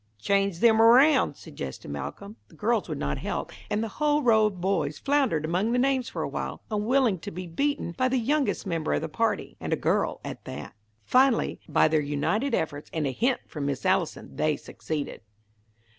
"Change them around," suggested Malcolm. The girls would not help, and the whole row of boys floundered among the names for a while, unwilling to be beaten by the youngest member of the party, and a girl, at that. Finally, by their united efforts and a hint from Miss Allison, they succeeded.